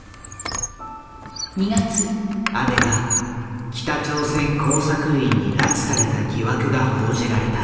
姉が北朝鮮工作員に拉致された疑惑が報じられた。